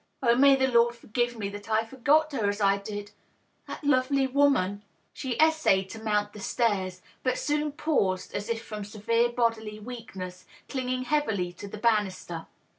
" Oh, may the Lord forgive me that I forgot her as I did ! That lovely woman !" She essayed to mount the stairs, but soon paused, as if from severe bodily weakness, clinging heavily to the banister.